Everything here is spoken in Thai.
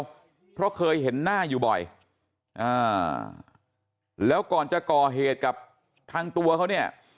เพราะเคยเห็นหน้าอยู่บ่อยอ่าแล้วก่อนจะก่อเหตุกับทางตัวเขาเนี่ย